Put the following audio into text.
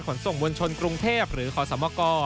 ขนส่งมวลชนกรุงเทพหรือขอสมก